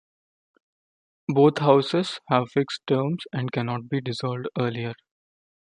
Both houses have fixed terms and cannot be dissolved earlier.